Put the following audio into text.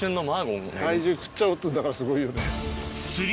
怪獣食っちゃおうってんだからすごいよね。